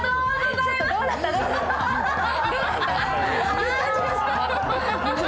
いい感じでした？